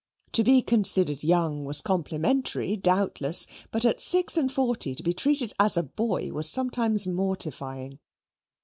To be considered young was complimentary, doubtless, but at six and forty to be treated as a boy was sometimes mortifying.